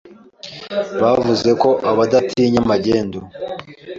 Bavuze ko badatinya magendu.